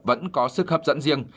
vẫn có sức hấp dẫn riêng